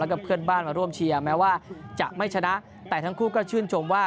แล้วก็เพื่อนบ้านมาร่วมเชียร์แม้ว่าจะไม่ชนะแต่ทั้งคู่ก็ชื่นชมว่า